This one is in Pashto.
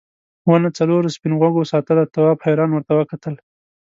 ونه څلورو سپین غوږو ساتله تواب حیران ورته وکتل.